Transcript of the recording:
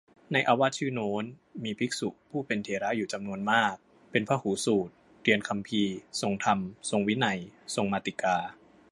ในอาวาสชื่อโน้น มีภิกษุผู้เป็นเถระอยู่จำนวนมากเป็นพหูสูตร เรียนคำภีร์ ทรงธรรม ทรงวินัย ทรงมาติกา